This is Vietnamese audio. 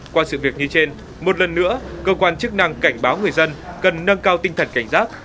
qua sự việc như trên một lần nữa cơ quan chức năng cảnh báo người dân cần nâng cao tinh thần cảnh giác